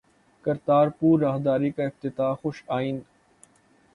کرتارپور راہداری کا افتتاح خوش آئند